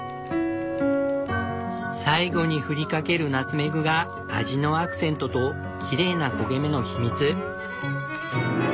最後に振りかけるナツメグが味のアクセントときれいな焦げ目の秘密。